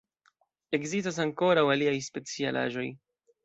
Ekzistas ankoraŭ aliaj specialaĵoj.